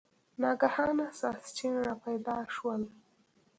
ناګهانه ساسچن را پیدا شول.